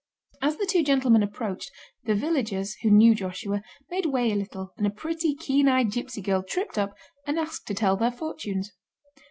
As the two gentlemen approached, the villagers, who knew Joshua, made way a little, and a pretty, keen eyed gipsy girl tripped up and asked to tell their fortunes.